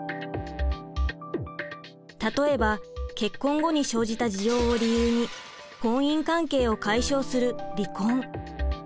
例えば結婚後に生じた事情を理由に婚姻関係を解消する離婚。